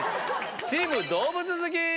チーム動物好き。